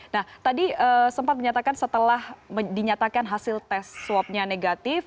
nah tadi sempat menyatakan setelah dinyatakan hasil tes swabnya negatif